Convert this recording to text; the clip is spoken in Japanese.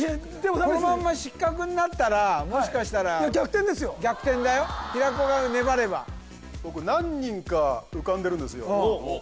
このまんま失格になったらもしかしたら逆転ですよ逆転だよ平子が粘れば僕何人か浮かんでるんですよ・おっ！